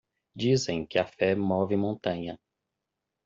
Dizem que a fé move montanha